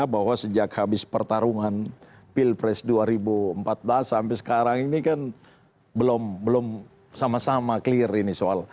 bahwa sejak habis pertarungan pilpres dua ribu empat belas sampai sekarang ini kan belum sama sama clear ini soal